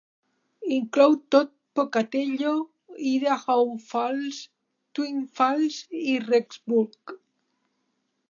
Inclou tot Pocatello, Idaho Falls, Twin Falls i Rexburg.